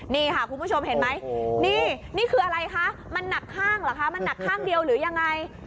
นี่ค่ะคุณผู้ชมเห็นไหมนี่นี่คืออะไรคะมันหนักข้างเหรอคะมันหนักข้างเดียวหรือยังไง